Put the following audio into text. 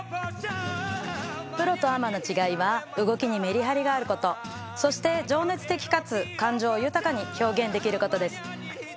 プロとアマの違いは動きにメリハリがあることそして情熱的かつ感情豊かに表現できることです